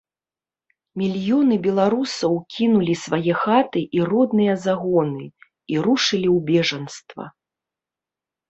Мільёны беларусаў кінулі свае хаты і родныя загоны і рушылі ў бежанства.